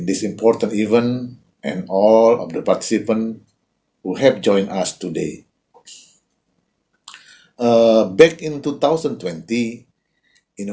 di acara penting ini dan semua penerima yang telah menyertai kami hari ini